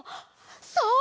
そう！